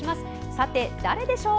さて、誰でしょう？